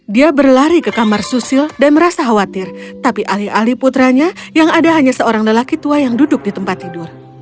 dia berlari ke kamar susil dan merasa khawatir tapi alih alih putranya yang ada hanya seorang lelaki tua yang duduk di tempat tidur